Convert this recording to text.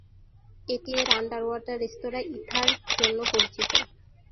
এটি এর under water restaurant Ithaa জন্য পরিচিত।